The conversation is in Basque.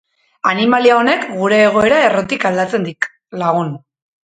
Animalia honek gure egoera errotik aldatzen dik, lagun.